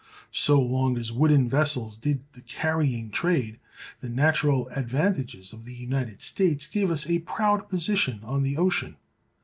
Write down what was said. So long as wooden vessels did the carrying trade, the natural advantages of the United States gave us a proud position on the ocean.